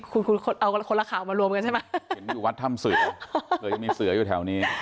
คุณคุณเอากันคนละข่าวมารวมกันใช่ไหมเห็นอยู่วัดถ้ำเสือเคยมีเสืออยู่แถวนี้